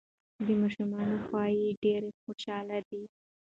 د ماشومانو خوی یې ډیر خوشحال دی.